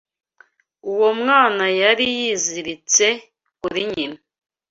Uwo mwana yari yiziritse kuri nyina.